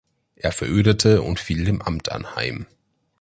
Er verödete und fiel dem Amt anheim.